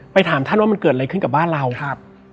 ถามท่านว่ามันเกิดอะไรขึ้นกับบ้านเราครับ